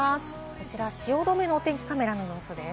汐留のお天気カメラの様子です。